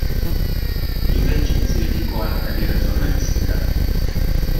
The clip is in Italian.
Invece si dedicò alla carriera giornalistica.